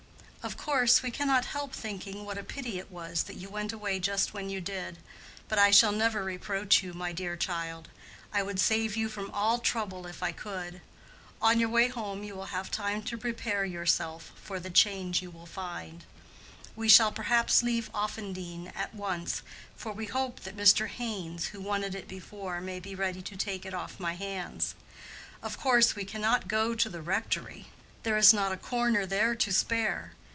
Of course we cannot help thinking what a pity it was that you went away just when you did. But I shall never reproach you, my dear child; I would save you from all trouble if I could. On your way home you will have time to prepare yourself for the change you will find. We shall perhaps leave Offendene at once, for we hope that Mr. Haynes, who wanted it before, may be ready to take it off my hands. Of course we cannot go to the rectory—there is not a corner there to spare.